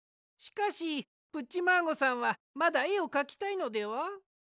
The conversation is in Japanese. しかしプッチマーゴさんはまだえをかきたいのでは？